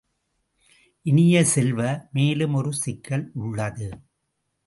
இனிய செல்வ, மேலும் ஒரு சிக்கல் உள்ளது.